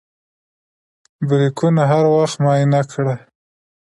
بریکونه هر وخت معاینه کړه.